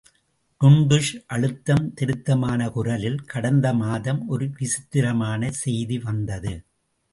டுன்டுஷ் அழுத்தம் திருத்தமான குரலில், கடந்த மாதம் ஒரு விசித்திரமான செய்தி வந்தது.